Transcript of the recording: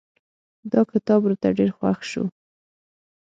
دا کتاب راته ډېر خوښ شو.